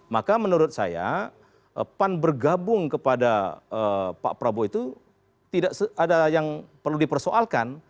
maka menurut saya pan bergabung kepada pak prabowo itu tidak ada yang perlu dipersoalkan